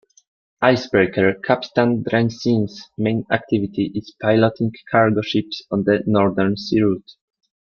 Icebreaker "Kapitan Dranitsyn"'s main activity is piloting cargo ships on the Northern Sea route.